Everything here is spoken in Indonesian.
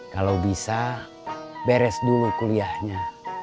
kalau bisa beres dulu kuliahnya